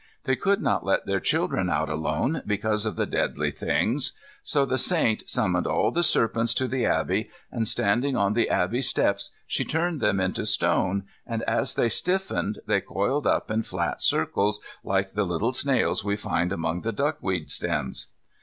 They could not let their children out alone, because of the deadly things. So the saint summoned all the serpents to the abbey and, standing on the abbey steps, she turned them into stone, and as they stiffened they coiled up in flat circles like the little snails we find among the duckweed stems.